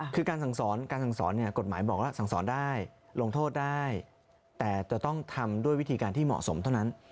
คือการสั่งสอนเนี่ยกฎหมายบอกว่าสั่งสอนได้ลงโทษได้แต่จะต้องทำด้วยวิธีการที่เหมาะสมเท่านั้น